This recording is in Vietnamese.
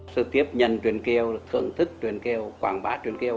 sự tiếp nhận chuyện kiều thưởng thức chuyện kiều quảng bá chuyện kiều